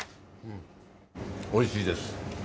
おいしいです。